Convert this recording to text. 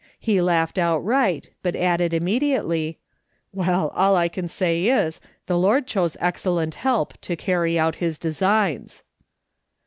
He laughed outright, but added immediately :" Well, all I can say is, the Lord chose excellent help to carry out his designs."